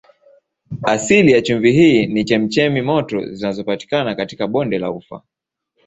Asili ya chumvi hii ni chemchemi moto zinazopatikana katika bonde la Ufa.